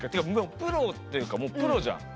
プロっていうかもうプロじゃん。